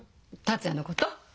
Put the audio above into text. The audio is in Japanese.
達也のこと？